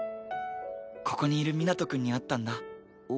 ここにいるみなとくんに会ったんだ。